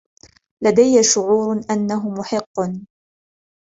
لدي شعور أنه محق.